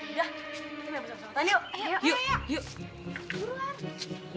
udah kita mau bersama sama